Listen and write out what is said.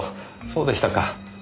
そうでしたか。